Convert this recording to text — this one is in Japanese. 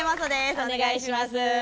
お願いします。